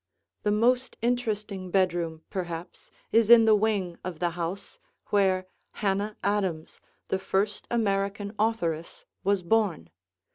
The most interesting bedroom, perhaps, is in the wing of the house, where Hannah Adams, the first American authoress, was born.